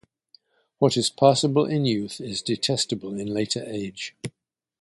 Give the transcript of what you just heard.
What is passable in youth is detestable in later age.